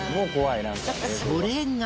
それが。